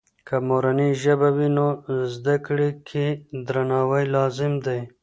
که مورنۍ ژبه وي، نو زده کړې کې درناوی لازم دی.